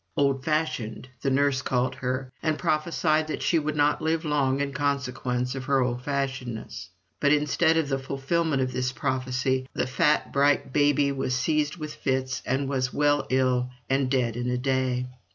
"Old fashioned," the nurses called her, and prophesied that she would not live long in consequence of her old fashionedness. But instead of the fulfilment of this prophecy, the fat bright baby was seized with fits, and was well, ill, and dead in a day!